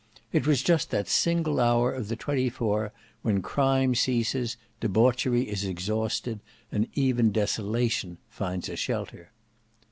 It was just that single hour of the twenty four when crime ceases, debauchery is exhausted, and even desolation finds a shelter.